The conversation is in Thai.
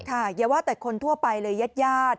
ค่ะไม่ว่าแต่คนทั่วไปเลยยัด